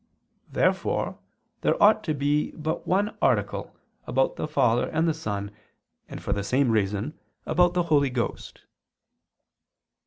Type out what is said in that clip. Therefore there ought to be but one article about the Father and Son, and, for the same reason, about the Holy Ghost.